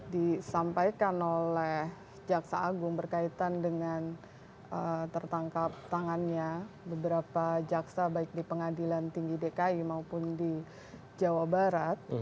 disampaikan oleh jaksa agung berkaitan dengan tertangkap tangannya beberapa jaksa baik di pengadilan tinggi dki maupun di jawa barat